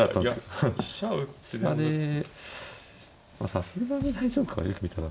さすがに大丈夫かよく見たら。